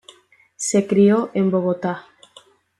Se crio en Bogotá.